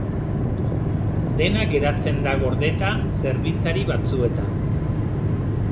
Dena geratzen da gordeta zerbitzari batzuetan.